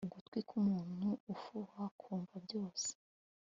ugutwi k'umuntu ufuha kumva byose